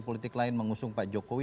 politik lain mengusung pak jokowi